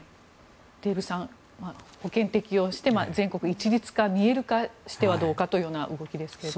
デーブさん、保険適用して全国一律化、見える化してはどうかという動きですが。